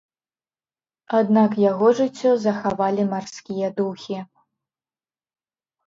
Аднак яго жыццё захавалі марскія духі.